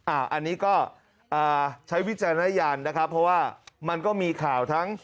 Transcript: อันนี้ก็ใช้วิจารณญาณนะครับเพราะว่ามันก็มีข่าวทั้ง